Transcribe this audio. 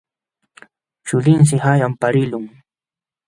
Chulinshi qanyan paqarilqun.